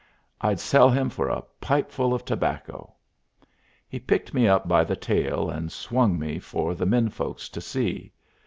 I'd sell him for a pipeful of tobacco." He picked me up by the tail, and swung me for the men folks to see.